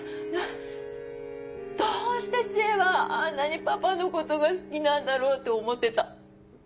どうして知恵はあんなにパパのことが好きなんだろうって思ってた。